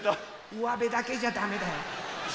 うわべだけじゃだめだよ。